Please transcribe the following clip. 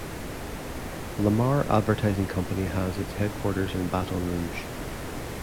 Lamar Advertising Company has its headquarters in Baton Rouge.